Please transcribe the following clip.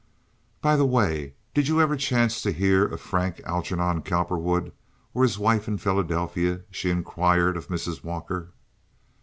"By the way, did you ever chance to hear of a Frank Algernon Cowperwood or his wife in Philadelphia?" she inquired of Mrs. Walker.